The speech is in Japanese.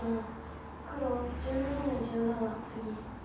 黒１７の十七ツギ。